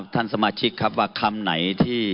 การยำควบคุมการประชุม